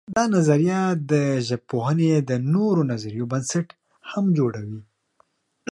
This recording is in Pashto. دا نظریه د ژبپوهنې د نورو نظریو بنسټ هم جوړوي.